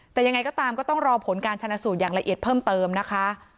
แต่ยังไงก็ตามก็ต้องรอผลการชนะสูตรอย่างละเอียดเพิ่มเติมนะคะ